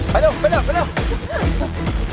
ไปเร็ว